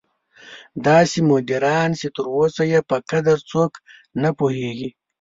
داسې مدیران چې تر اوسه یې په قدر څوک نه پوهېږي.